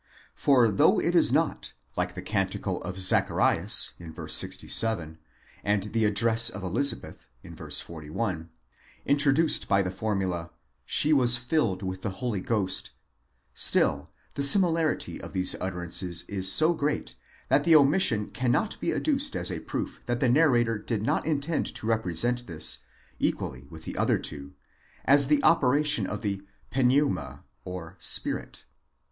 For though it is not, like the Canticle of Zacharias (v. 67) and the address of Elizabeth (v. 41), introduced by the formula ἐπλήσθη πνεύματος ἁγίου, she was filled with the Holy Ghost, still the similarity of these utterances is so great, that the omission cannot be adduced as a proof that the narrator did not intend to represent this, equally with the other two, as the operation of the πνεῦμα (spirit).